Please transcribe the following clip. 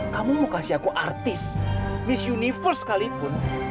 kamu mau kasih aku artis miss universe sekalipun